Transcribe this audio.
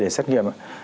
để xét nghiệm